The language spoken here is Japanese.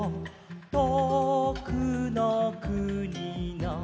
「とおくのくにの」